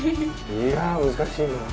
いやぁ、難しいなぁ。